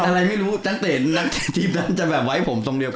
อะไรไม่รู้จังเตฤนที่นั้นจะแบบไว้ผมตรงเดียวกัน